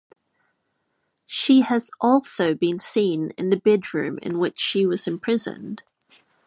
She has also been seen in the bedroom in which she was imprisoned.